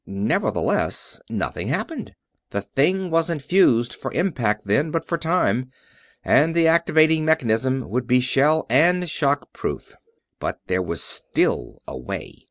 Nevertheless, nothing happened. The thing wasn't fuzed for impact, then, but for time; and the activating mechanism would be shell and shock proof. But there was still a way.